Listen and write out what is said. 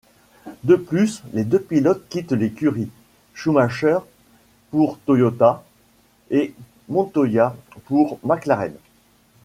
De plus, les deux pilotes quittent l'écurie, Schumacher pour Toyota et Montoya pour McLaren.